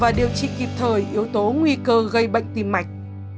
và điều trị kịp thời yếu tố nguy cơ gây bệnh tim mạch